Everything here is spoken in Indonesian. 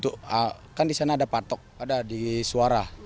kan di sana ada patok ada di suara